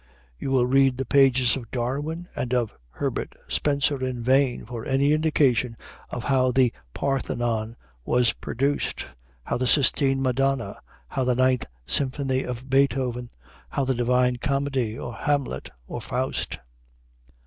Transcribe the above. You will read the pages of Darwin and of Herbert Spencer in vain for any indication of how the Parthenon was produced, how the Sistine Madonna, how the Ninth Symphony of Beethoven, how the Divine Comedy, or Hamlet or Faust.